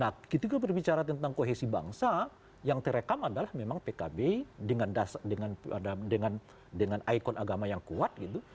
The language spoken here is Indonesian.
nah ketika berbicara tentang kohesi bangsa yang terekam adalah memang pkb dengan ikon agama yang kuat gitu